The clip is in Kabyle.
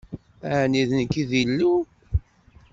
Ɛni d nekk i d Illu?